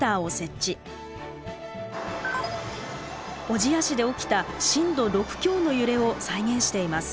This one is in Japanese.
小千谷市で起きた震度６強の揺れを再現しています。